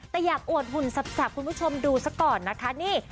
แต่อยากอวดหุ่นสับคุณผู้ชมดูซะก่อนนะคะนี่